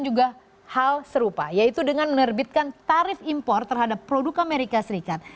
juga hal serupa yaitu dengan menerbitkan tarif impor terhadap produk amerika serikat